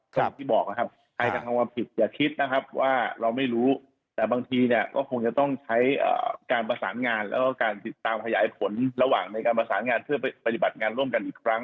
ก็อย่างที่บอกนะครับใครกระทำความผิดอย่าคิดนะครับว่าเราไม่รู้แต่บางทีเนี่ยก็คงจะต้องใช้การประสานงานแล้วก็การติดตามขยายผลระหว่างในการประสานงานเพื่อไปปฏิบัติงานร่วมกันอีกครั้ง